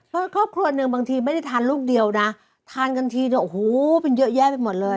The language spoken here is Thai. เพราะครอบครัวหนึ่งบางทีไม่ได้ทานลูกเดียวนะทานกันทีเนี่ยโอ้โหเป็นเยอะแยะไปหมดเลย